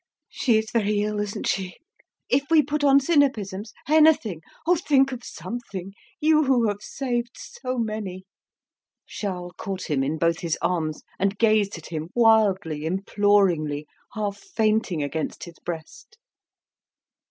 "She is very ill, isn't she? If we put on sinapisms? Anything! Oh, think of something, you who have saved so many!" Charles caught him in both his arms, and gazed at him wildly, imploringly, half fainting against his breast.